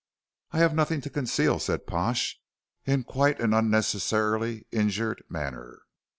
"I have nothing to conceal," said Pash, in quite an unnecessarily injured manner.